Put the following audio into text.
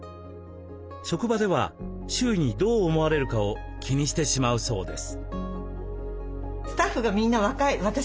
職場では周囲にどう思われるかを気にしてしまうそうです。